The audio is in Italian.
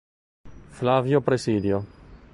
Flavio Presidio